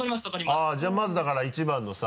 あぁじゃあまずだから１番のさ